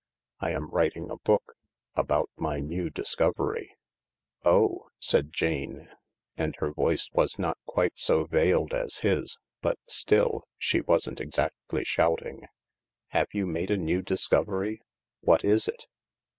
I am writing a book — about my new discovery." " Oh," said Jane, and her voice was not quite so veiled as his — but still, she wasn't exactly shouting, " have you made a new discovery ? What is it